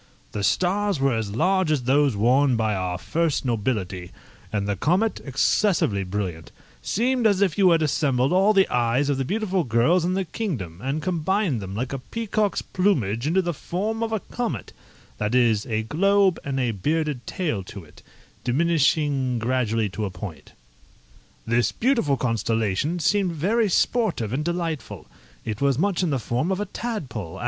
The stars were as large as those worn by our first nobility, and the comet, excessively brilliant, seemed as if you had assembled all the eyes of the beautiful girls in the kingdom, and combined them, like a peacock's plumage, into the form of a comet that is, a globe, and a bearded tail to it, diminishing gradually to a point. This beautiful constellation seemed very sportive and delightful. It was much in the form of a tadpole!